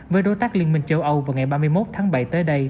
với đối tác liên minh châu âu vào ngày ba mươi một tháng bảy tới đây tại tp hcm